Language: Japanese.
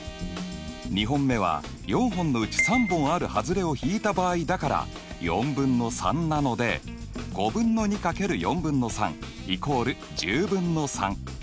２本目は４本のうち３本あるはずれを引いた場合だから４分の３なので５分の２×４分の３＝１０分の３。